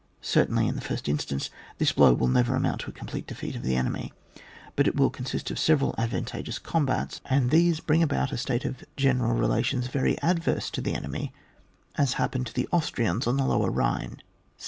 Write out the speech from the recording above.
— ^Certainly, in the first instance, this blow will never amount to a com plete defeat of the enemy, but it will consist of several advantageous combats, and these bring about a state of general relations very adverse to the enemy, as happened to the Austrians on the Lower Ehine, 1796.